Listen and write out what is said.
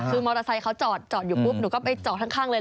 คือมอเตอร์ไซค์เขาจอดอยู่ปุ๊บหนูก็ไปจอดข้างเลย